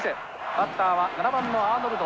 バッターは７番のアーノルド。